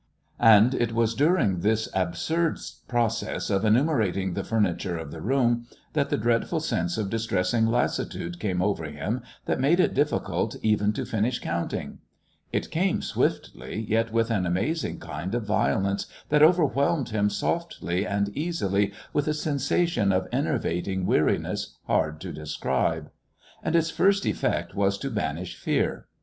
And it was during this absurd process of enumerating the furniture of the room that the dreadful sense of distressing lassitude came over him that made it difficult even to finish counting. It came swiftly, yet with an amazing kind of violence that overwhelmed him softly and easily with a sensation of enervating weariness hard to describe. And its first effect was to banish fear.